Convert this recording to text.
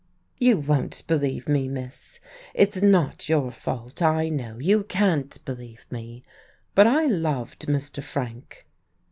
"You won't believe me, miss. It's not your fault, I know; you can't believe me. But I loved Mr. Frank."